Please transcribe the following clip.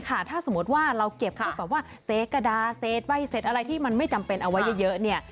ไม่ต้องเสร็จกระดาเสร็จใบเสร็จอะไรที่ไม่จำเป็นเอาไว้เยอะ